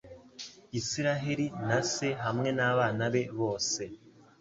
Isiraheli na se hamwe n'abana be bose